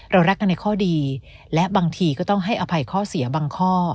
รักกันในข้อดีและบางทีก็ต้องให้อภัยข้อเสียบางข้อ